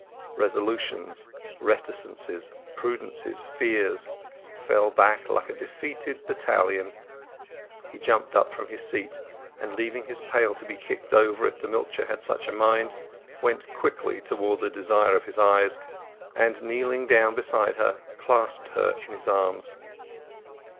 Resolutions, reticences, prudences, fears, fell back like a defeated battalion. He jumped up from his seat, and, leaving his pail to be kicked over if the milcher had such a mind, went quickly towards the desire of his eyes, and, kneeling down beside her, clasped her in his arms.